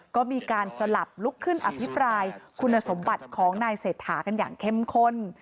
ก็มีการสลับลุกขึ้นอภิปรายคุณสมบัติของนายเศรษฐากันอย่างเข้มข้น